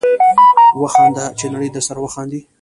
وخانده چې نړۍ درسره وخاندي